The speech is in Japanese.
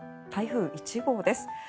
台風１号です。